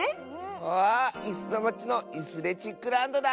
わあいすのまちのイスレチックランドだ！